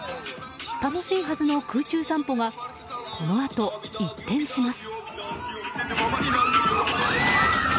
楽しいはずの空中散歩がこのあと一変します。